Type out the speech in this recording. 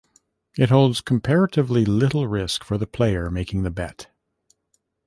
It holds comparatively little risk for the player making the bet.